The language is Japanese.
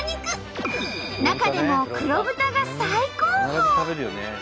中でも黒豚が最高峰！